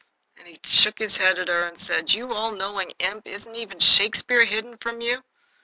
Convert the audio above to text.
And he shook his head at her and said, "You all knowing imp! isn't even Shakespeare hidden from you?"